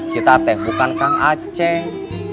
kita ateh bukan kang aceh